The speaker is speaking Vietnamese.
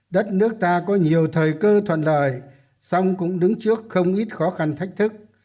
đất nước ta có nhiều thời cơ thuận lợi song cũng đứng trước không ít khó khăn thách thức